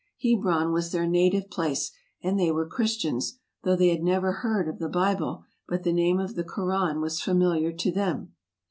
Hebron was their native place, and they were Christians, though they had never heard of the Bible, but the name of the Koran was familiar to them.